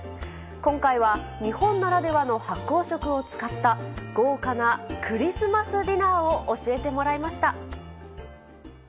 今回は、日本ならではの発酵食を使った、豪華なクリスマスディナーを教えてもらいました。